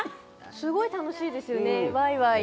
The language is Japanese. すごい楽しいですよね、ワイワイ。